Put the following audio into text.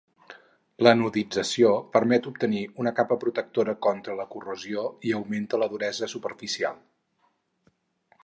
L'anodització permet obtenir una capa protectora contra la corrosió i augmenta la duresa superficial.